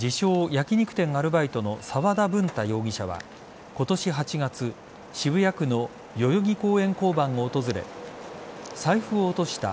・焼き肉店のアルバイトの沢田聞多容疑者は今年８月渋谷区の代々木公園交番を訪れ財布を落とした。